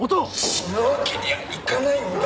死ぬわけにはいかないんだ。